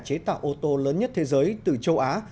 chế tạo ô tô lớn nhất thế giới từ châu á